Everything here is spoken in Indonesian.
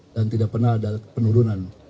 dan tidak pernah ada penurunan